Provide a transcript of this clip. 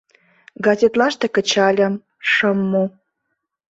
Газетлаште кычальым — шым му.